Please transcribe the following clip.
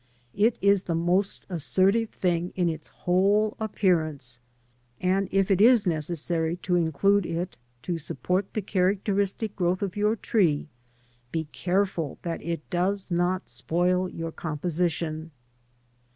It is the most assertive thing in its whole appearance, and if it is necessary to include it to support the characteristic growth of your tree, be careful that it does not spoil your composition.